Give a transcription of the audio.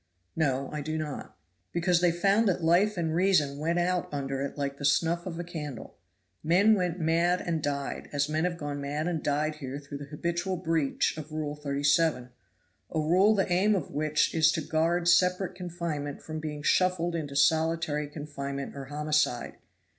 "No, I do not." "Because they found that life and reason went out under it like the snuff of a candle. Men went mad and died, as men have gone mad and died here through the habitual breach of Rule 37, a rule the aim of which is to guard separate confinement from being shuffled into solitary confinement or homicide.